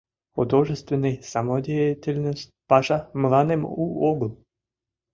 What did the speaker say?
Художественный самодеятельность паша — мыланем у огыл.